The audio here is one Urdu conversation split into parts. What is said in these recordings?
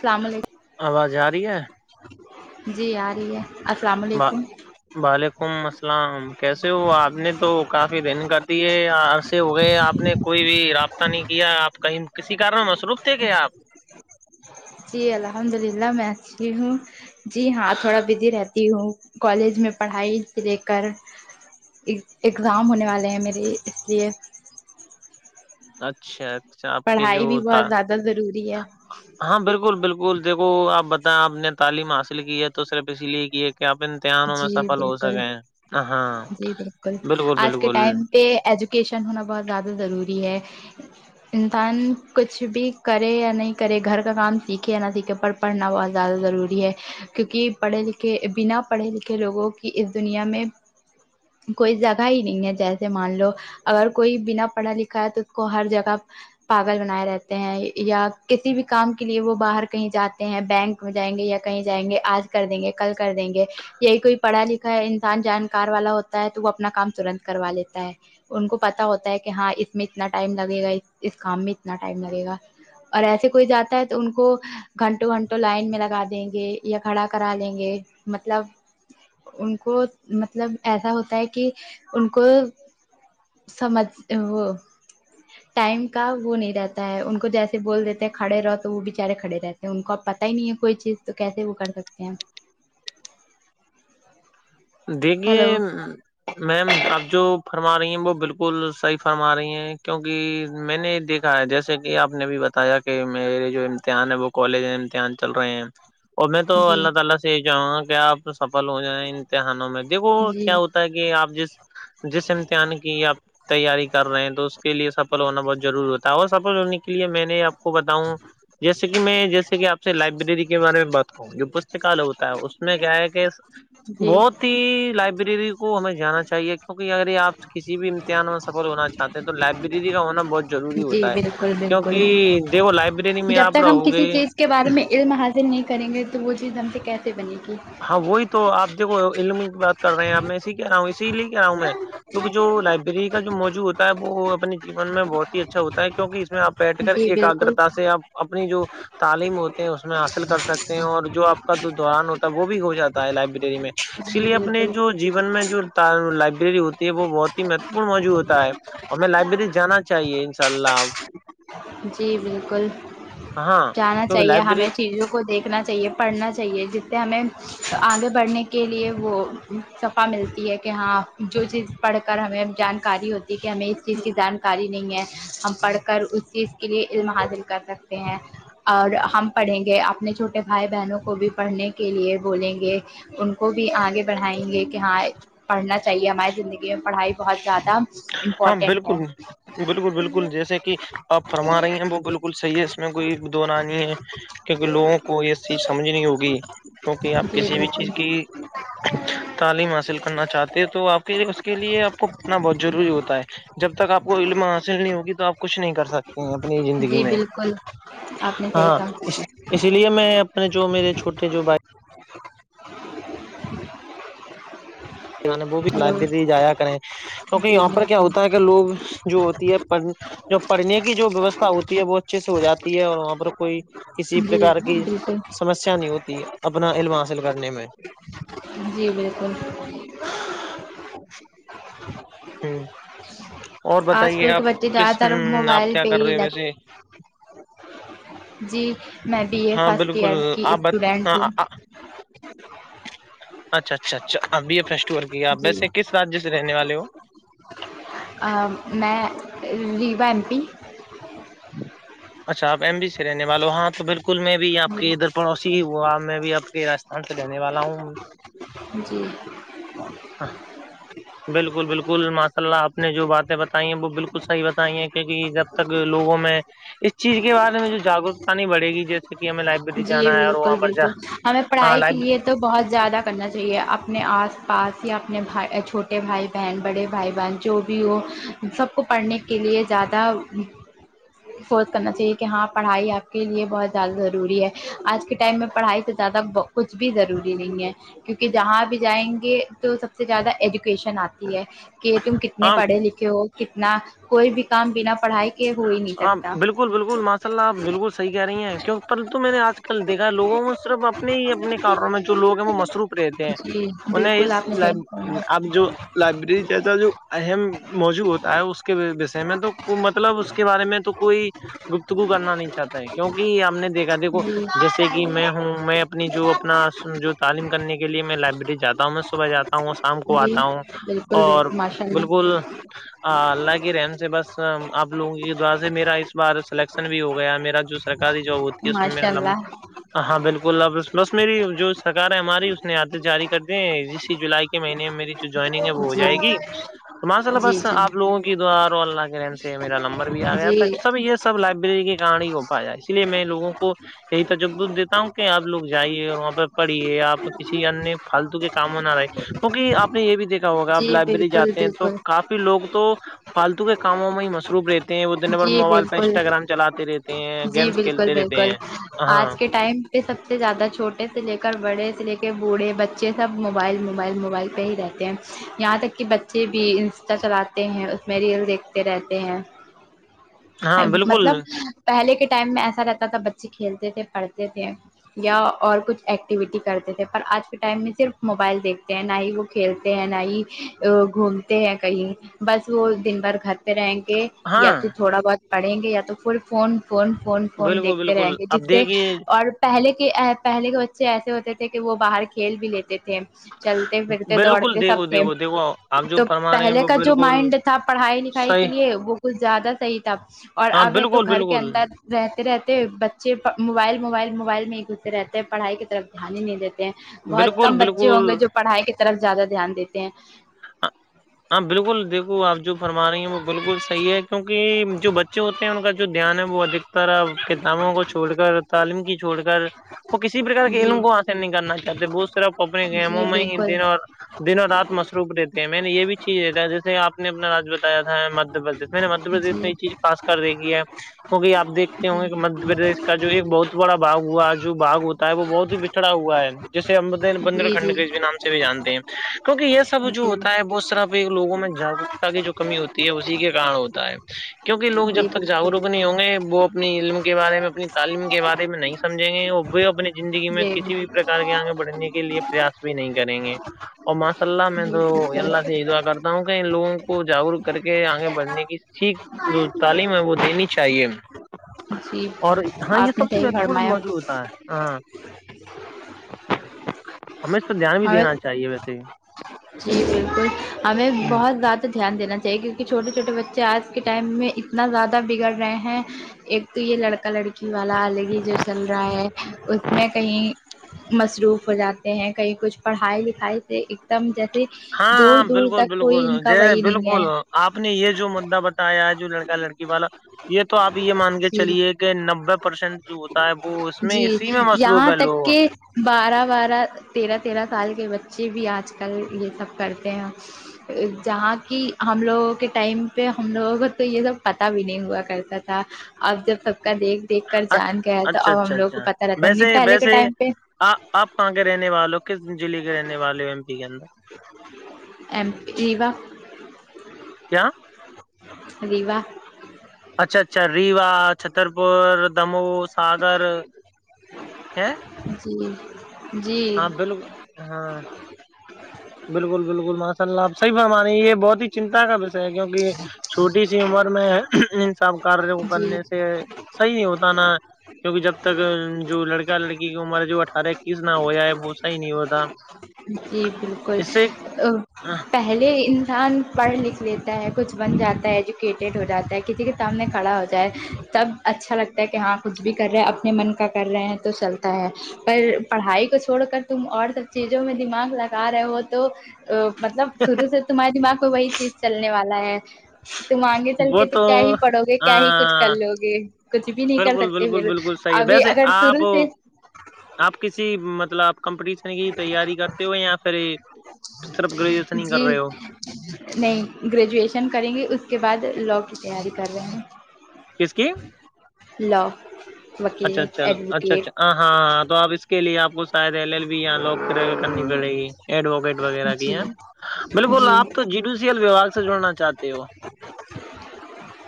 السلام علیکم آواز آ رہی ہے جی آ رہی ہے اسلام علیکم وعلیکم اسلام کیسے ہو آپ نے تو کافی دن کر دی ہے عرصے ہو گئے آپ نے کوئی بھی رابطہ نہیں کیا آپ کہیں کسی کارن میں مصروف تھے کیا آپ جی الحمد اللہ میں آچی ہوں جی ہاں تھوڑا بزی رہتی ہوں کالج میں پڑھائی سے لے کر اگزام ہونے والے ہیں میرے اس لیے اچھا اچھا آپ کے جو پڑھائی بھی تھا بہت زیادہ ضروری ہے ہاں بالکل بالکل دیکھو آپ بتائیں آپ نے تعلیم حاصل کی ہے تو صرف اسی لیے کی ہے کی آپ ام تحانوں میں جی سفل ہو بالکل سکے ہاں بالکل بالکل کہ ایجوکشن ہونا بہت زیادہ ضروری ہے انسان کچھ بھی کرے یا نہیں کرے گھر کا کام سیکھے یا نا سیکھے پر پڑھنا بہت زیادہ ضروری ہے کیونکی پڑھے لکھے بنا پڑھے لکھے لوگوں کی اس دنیا میں کوئی جگہ ہی نہیں ہے جیسے مان لو اگر کوئی بنا پڑھا لکھا ہے تو اس کو ہر جگہ پاگل بنائے رہتے ہیں یا کسی بھی کام کے لیے وہ باہر کہیں جاتے ہیں بینک جائیں گے یا کہیں جائیں گے آج کر دیں گے کل کر دیں گے یہی کوئی پڑھا لکھا انسان جانکار والا ہوتا ہے تو وہ اپنا کام تورنت کروا لیتا ہے ان کو پتہ ہوتا ہے کہ ہاں اس میں اتنا ٹائم لگے گا اس کام میں اتنا ٹائم لگے گا اور ایسے کوئی جاتا ہے تو ان کو گھنٹوں گھنٹوں لائن میں لگا دیں گے یا کھڑا کرا دینگے مطلب ان کو مطلب ایسا ہوتا ہے کی ان کو سمجھ وہ ٹائم کا وہ نہیں رہتا ہے ان کو جیسے بول دیتے ہیں کھڑے رہو تو وہ بچارے کھڑے رہتے ان کو اب پتہ ہی نہیں ہے کوئی چیز تو کیسے وہ کر سکتے ہیں دیکھیے ہیلو میم آپ جو فرما رہی ہیں وہ بالکل صحیح فرما رہی ہیں کیونکی میں نے دیکھ آں جیسے کہ آپ نے بھی بتایا کہ میرے جو امتحان ہے وہ کالج میں امتحان چل رہے ہیں اور میں تو جی اللہ تعالی سے یہ چاہوں گا کہ آپ سفل ہو جائیں امتحانوں میں دیکھو جی کیا ہوتا کہ آپ جس جس امتحان کی آپ تیاری کر رہے ہیں تو اس کے لیے سفل ہونا بہت ضروری ہوتا ہے اور سفل ہونے کے لیے میں نے آپ کو بتاؤں جیسے کہ میں جیسے کہ آپ سے لائبریری کے بارے میں بات جو پستکال ہوتا ہے اس میں کیا ہے کہ جی بہت ہی لائب لائبریری کو ہمیں جانا چاہیے کیونکہ اگر یہ آپ کسی بھی امتحان میں سفل ہونا چاہتے ہیں تو لائبریری کا ہونا بہت ضروری جی ہوتا ہے بالکل بالکل کیونکہ دیکھو لائبریری میں جب آپ تک ہم رہو گے کسی چیز کے بارے میں علم حاصل نہیں کریں گے تو وہ چیز ہم سے کیسے بنے گی ہاں وہی تو آپ دیھکو علم کی بات کر رہے ہیں آپ میں اسی کہہ رہا ہوں اسی لیے کہہ رہا ہوں میں کیونکہ جو لائبریری کا جو موضوع ہوتا ہے وہ اپنے جیون میں بہت ہی اچھا ہوتا ہے کیونکہ اس میں آپ بیٹھ کر جی بالکل ایکاگرتا سے آپ اپنی جو تعلیم ہوتے ہیں اس میں حاصل کر سکتے ہیں اور جو آپ کا جو دوران ہو تا وہ بھی ہو جاتا ہے لائبریری میں اسی جی لیے اپنے بالکل جو جیون میں جو لائبریری ہوتی ہے وہ بہت ہی مہتوپورن موضوع ہوتا ہے اور ہمیں لائبریری جانا چاہیے انشاء اللہ جی بالکل ہاں جانا کیونکہ چاہیے ہمیں لائبریری چیزوں کو دیکھنا چاہیے پڑھنا چاہیے جس سے ہمیں تو آگے بڑھنے کے لیے وہ صفا ملتی ہے کہ ہاں جو چیز پڑھ کر ہمیں جانکاری ہوتی ہے کہ ہمیں اس چیز کی جانکاری نہیں ہے ہم پڑھ کر اس چیز کے لیے علم حاصل کر سکتے ہیں اور ہم پڑھیں گے اپنے چھوٹے بھائی بہنوں کو بھی پڑھنے کے لیے بولیں گے ان کو بھی آگے بڑھائیں گے کہ ہاں پڑھنا چاہیے ہماری زندگی میں پڑھائی بہت زیادہ ہاں امپورٹینٹ بالکل ہے بالکل بالکل جیسے کہ آپ فرما رہی ہیں وہ بالکل صحیح ہے اس میں کوئی دو نہ نہیں ہے کیونکہ لوگوں کو یہ چیز سمجھنی ہوگی کیونکہ آپ جی کسی بھی چیز بالکل کی تعلیم حاصل کرنا چاہتے ہیں تو آپ کے لیے اس کے لیے آپ کو پڑھنا بہت ضروری ہوتا ہے جب تک آپ کو علم حاصل نہیں ہوگی تو آپ کچھ نہیں کر سکوں اپنی زندگی جی میں بالکل آپ نے صحیح ہاں کہا اسی اسی لیے میں اپنے جو میرے چھوٹے جو بھائی جان ہے وہ بھی ہلو لائبریری جایا کریں کیونکہ جی یہاں پر کیا بالکل ہوتا ہے کہ لوگ جو ہوتی ہے پڑھنے جو پڑھنے کی جو ویوستھا ہوتی ہے وہ اچھے سے ہو جاتی ہے اور وہاں پر کوئی کسی جی پرکار کی بالکل سمسیا نہیں ہوتی ہے اپنا علم حاصل کرنے میں جی بالکل ہ اور آج بتائیے کل کے آپ بچے کس زیادہ تر آپ موبائل کیا کر یہی رہے ہو لت ویسے جی میں بی اے ہاں فرسٹ بالکل ایر کی آپ اسٹوڈینٹ ہوں ہاں اچھا اچھا اچھا آپ بی اے فرسٹ ایر کی آپ ویسے کس راجیہ سے رہنے والے ہو آں میں ریوا ایم پی اچھا آپ ایم پی سے رہنے والے ہو ہاں تو بالکل میں بھی آپ کے ادھر پڑوسی ہی ہووا میں بھی آپ کے راس انت رہنے والا ہوں جی ہاں بالکل بالکل ماشاء اللہ آپ نے جو باتیں بتائی ہیں وہ بالکل صحیح بتائی ہیں کیونکی جب تک لوگوں میں اس چیز کے بارے میں جو جاگروکتا نہیں بڑے گی جیسے کی ہمیں لائبریری جی جانا ہے اور بالکل وہاں پر جا بالکل ہمیں ہاں پڑھائی کے لائب لیے تو بہت زیادہ کرنا چاہیے اپنے آس پاس یا اپنے بھائی چھوٹے بھائی بہن بڑے بھائی بہن جو بھی ہو سب کو پڑھنے کے لیے زیادہ فورس کرنا چاہیے کہ ہاں پڑھائی آپ کے لیے بہت زیادہ ضروری ہے آج کے ٹائم میں پڑھائی سے زیادہ بو کچھ بھی ضروری نہیں ہے کیونکہ جہاں بھی جائیں گے تو سب سے زیادہ ایجوکیشن آت کہ تم کتنے ہاں پڑھے لکھے ہو کتنا کوئی بھی کام بنا پڑھائی کے ہو ہی نہیں آپ سکتا بالکل بالکل ماشاء اللہ آپ بالکل صحیح کہہ رہی ہیں کی پرنتو میرے آج کل دیکھا ہے لوگوں کو صرف اپنے ہی اپنے کاروں میں جو لوگ ہیں وہ مصروف رہتے ہیں جی انہیں بالکل اس آپ نے لب صحیح بولا اب جو لائبریری جیسا جو اہم موجوع ہوتا ہے اس کے وشے میں تو حکومت کے بارے میں تو کوئی گفتگو کرنا نہیں چاہتا ہے کیونکی ہم نے دیکھا دیکھو جی جیسے کی میں ہوں میں اپنی جو اپنا جو تعلیم کرنے کے لیے میں لائبریری جاتا ہوں میں صبح جات تا ہوں شام کو جی آتا ہوں بالکل اور بالکل ماشاء اللہ بالکل آ اللہ کی رحم سے بس اب لوگوں کی دعا سے میرا اس بار سلیکشن بھی ہو گیا میرا جو سرکاری جاب ہوتی ہے اس میں میرا ماشاء لم اللہ ہاں بالکل بس میری جو سرکار ہے ہماری اس نے آدش جاری کر دیے ہیں اسی جولائی مہینے میں میری جوائنگ ہے وہ ہو جی جائے گی تو ماشاء اللہ جی بس جی آپ لوگوں کی دعا اور اللہ کے رحم سے میرا نمبر بھی آ گیا تھا جی سب یے سب لائبریری کی کارن ہو پا جائے اس لیے میں لگوں کو یہی تجب دیتا ہوں کہ آپ لوگ جائیے اور وہاں پے پڑھییے آپ کسی انیہ فالتو کے کاموں نہ رہے کیونکی آپ نے یے بھی دیکھا ہوگا آپ جی لائبریری بالکل جاتے ہیں تو بالکل کافی فی لوگ تو فالتو کے کاموں میں ہی مس روپ رہتے ہیں وہ دن بھر جی موبائل پے بالکل انسٹاگرام چلاتے رہتے ہیں جی گیمس کھیلتے رہتے ہیں آ ہاں پے سب سے زیادہ چھوٹے سے لے کر بڑے سے لے کے بوڑے بچے سب موبائل موبائل موبائل پے ہی رہتے ہیں یہاں تک کہ بچے بھی انسٹا چلاتے ہیں میں ریل دیکھتے رہتے ہیں ہاں بالکل مطلب پہلے کے ٹائم میں ایسا رہتا تھا بچے کھیلتے تھے پڑھتے تھے یا اور کچھ ایکٹیویٹی کرتے تھے پر آج کے ٹائم میں صرف موبائل دیکھتے ہیں نہ ہی وہ کھیلتے ہیں نہ ہی گھومتے ہیں کہیں بس تو دن بھر گھر پے رہیں گے یا ہاں تو تھوڑا بہت پڑھیں گے یا تو full phone phone phone phone بالکل دیکھتے بالکل رہیں گے اب جس سے دیکھیے اور پہلے کے پہلے کے بچے ایسے ہوتے تھے کہ وہ باہر کھیل بھی لیتے تھے چلتے پھرتے بالکل دوڑتے دیکھو سب تھے دیکھو دیکھو آپ جو تو فرما رہے ہیں پہلے وہ کا جو بالکل مائنڈ تھا پڑھائی لکھائی کے صحیح لیے وہ کچھ زیادہ صحیح تھا اور ہاں اب ہے تو بالکل گھر کے بالکل اندر رہتے رہتے بچے موبائل موبائل موبائل میں ہی گھسے رہتے ہیں پڑھائی کی طرف دھیان ہی نہیں دیتے بہت بالکل کم بچے بالکل ہوں گے جو پڑھائی کی طرف زیادہ دھیان دیتے ہیں ہاں بالکل دیکھو وہ آپ جو فرما رہی ہیں وہ بالکل صحیح ہے کیونکی جو بچے ہوتے ہیں ان کا جو دھیان ہے وہ ادھک طرح کتابوں کو چھوڑ کر تعلیم کی چھوڑ کر وہ کسی پرکرار کے جی علم کو حاصل نہیں کرنا چاہتے بہت طرف اپنے گیموں جی میں ہی بالکل دن اور دن اور رات مصروف رہتے ہیں میں نے یے بھی چیز دیکھا ہے جیسے آپ نے اپنا آج ہاں مدھیہ پردیش میں نے مدھیہ پردیش جی میں یہ چیز خاص کر دیکھی ہے وہی آپ دیکھتے ہوں گے کہ مدھیہ پردیش کا جو ایک بہت بڑا باغ ہوا جو باغ ہوتا ہے وہ بہت ہی چڑھا ہوا ہے جیسے امبدین بندر جی جی کھنڈ جی کے بھی نام سے بھی جانتے ہیں کیونکہ یہ سب جو جی ہوتا ہے وہ صرف لوگوں میں جاگر تا کی جو کمی ہوتی ہے اسی کے کارن ہوتا ہے کیونکہ لوگ جب جی تک بالکل جاگروک نہیں ہوں گے وہ اپنی علم کے بارے میں اپنی تعلیم کے بارے میں نہیں سمجھیں گے اور وہ اپنی زندگی میں جی کسی بھی پرکار کے آگے بڑھنے کے لیے پریاس بھی نہیں کریں گے اور ماشاء اللہ میں جی تو اللہ سے بالکل یہ دعا کرتا ہوں کہ ان لوگوں کو جاگروک کر کے آگے بڑھنے کی سیکھ جو تعلیم ہے وہ دینی چاہیے انہیں جی اور ہاں یہ آپ نے سب سے صحیح مہتوپورن فرمایا موضوع ہوتا ہے ہاں ہمیں اس پے دھیان بھی ہمیں دینا چاہیے ویسے جی بالکل ہمیں ہ بہت زیادہ دھیان دینا چاہیے کیونکہ چھوٹے چھوٹے بچے آج کے ٹائم میں اتنا زیادہ بگڑ رہے ہیں ایک تو یہ لڑکا لڑکی والا الگ ہی جو چل رہا ہے اس میں کہیں مصروف ہو جاتے ہیں کہیں کچھ پڑھائی لکھائی سے ایک دم جیسے دور دور تک کوئی کا جی وہی نہیں ہے بالکل آپ نے یہ جو مدعا بتایا ہے جو لڑکا لڑکی والا یہ تو آپ یہ مان کے جی چلیے کہ نوے پرسینٹ جو ہوتا ہے وہ اس جی میں اسی میں مصروف یہاں ہے تک لوگ کہ بارہ بارہ تیرہ تیرہ سال کے بچے بھی آج کل یہ سب کرتے ہیں ا جہاں کی ہم لوگوں کے ٹائم پہ ہم لوگوں کو تو یہ سب پتہ بھی نہیں ہوا کرتا تھا اب جب سب کا دیکھ دیکھ کر اچھا جان گیا ہے تو اچھا اب ہم اچھا لوگ کو پتا رہتا ہے نہیں پہلے کے ٹائم پہ آ آپ کہاں کے رہنے والے ہو کس ضلع کے رہنے والے ہو ایم پی کے اندر ایم ای وا کیا ریواہ اچھا اچھا ریوا چھتر پور دمو ساگر ہیں جی جی ہاں بلکل ہاں بالکل بالکل ماشاء اللہ آپ صحیح فرما رہی یہ بہت ہی چنتا کا وشے ہے کیونکہ چھوٹی سی عمر میں ان سب کاریہ کو جی کرنے سے صحیح نہیں ہوتا نا کیونکہ جب تک جو لڑکا لڑکی کی عمر ہے جو اٹھارہ اکیس نہ ہوجاۓ وہ صحیح نہیں ہوتا جی بالکل اس سے آ پہ پہلے انسان پڑھ لکھ لیتا ہے کچھ بن جاتا ہے ایجوکیٹیڈ ہو جاتا ہے کسی کے سامنے کھڑا ہوتا ہے جائے تب اچھا لگتا ہے کہ ہاں کچھ بھی کر رہے ہیں اپنے من کا کر رہے ہیں تو چلتا ہے پر پڑھائی کو چھوڑ کر تم اور سب چیزوں میں دماغ لگا رہے ہو تو آ مطلب شروع سے تمہارے دماغ میں وہی چیز چلنے والا ہے تم آگے چل وہ کے تو کیا ہی پڑھو گے کیا ہی کچھ کر ہاں لو گے کچھ بھی نہیں کر بالکل سکتے بالکل پھر بالکل صحیح ہے ابھی ویسے اگر آپ شروع سے آپ کسی مطلب کمپنی سے کی تیاری کرتے ہو یا پھر صرف گریجویشن ہی کر جی رہے ہو نہیں گریجویشن کریں گے اس کے بعد لاء کی تیاری کر رہے ہیں کس کی لاء وکیل ایڈوکیٹ آں ہاں تو آپ اس کے لیے آپ اس شاید ایل ایل بی یہاں لوکر کرنی پڑے گی ایڈووکیٹ وغیرہ بھی جی ہم بالکل آپ تو جی ڈی سی ایل وباگ سے جڑنا چاہتے ہو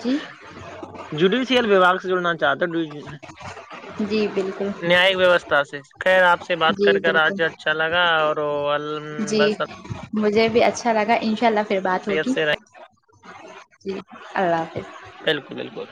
جی جوڈیشیل وباگ سے جڑنا چاہت ہو جوڈ ی جی بل نیاۓ ویوستھا سے خیر آپ سے بات کر جی کر آج بالکل اچھا لگا اوروہ ال م جی بس اب مجھے بھی اچھا لگا ان شاء اللہ فر بات ہوگی سے رہیں۔ جی اللہ حافظ بلکل بلکل